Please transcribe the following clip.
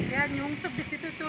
dia nyungsep disitu tuh